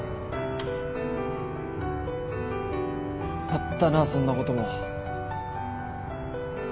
あったなそんなことも。